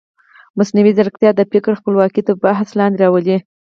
مصنوعي ځیرکتیا د فکر خپلواکي تر بحث لاندې راولي.